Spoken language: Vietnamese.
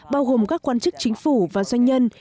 bao gồm các quan chức chính phủ và doanh nhân